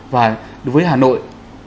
và đối với hà nội